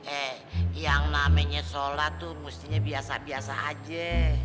eh yang namanya sholat tuh mestinya biasa biasa aja